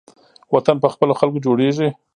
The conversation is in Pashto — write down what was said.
وطن په خپلو خلکو جوړیږي